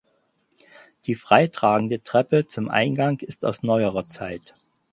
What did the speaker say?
Die freitragende Treppe zum Eingang ist aus neuerer Zeit.